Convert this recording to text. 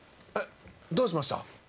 どうしました？